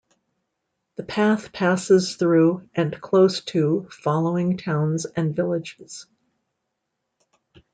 The path passes through and close to following towns and villages.